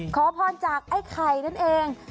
ขอพรจากไอ้ไข่นั่นเอง